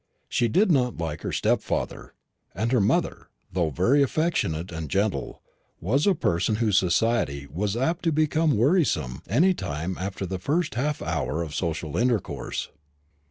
She did not like her stepfather; and her mother, though very affectionate and gentle, was a person whose society was apt to become wearisome any time after the first half hour of social intercourse.